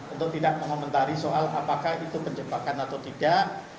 untuk tidak mengomentari soal apakah itu penjebakan atau tidak